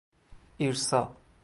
ایرسا